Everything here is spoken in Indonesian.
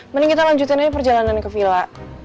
mending kita lanjutin aja perjalanan ke villa